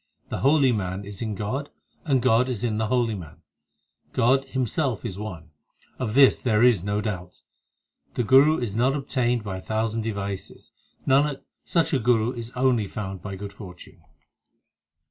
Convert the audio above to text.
The holy man is in God and God in the holy man, God Himself is one ; of this there is no doubt. The Guru is not obtained by a thousand devices ; Nanak, such a Guru is only found by good fortune.